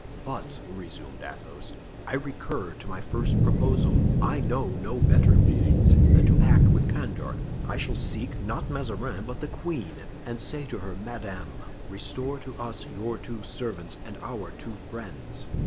"But," resumed Athos, "I recur to my first proposal. I know no better means than to act with candor. I shall seek, not Mazarin, but the queen, and say to her, 'Madame, restore to us your two servants and our two friends.